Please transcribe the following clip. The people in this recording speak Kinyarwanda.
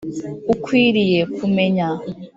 ukwiriye kumenya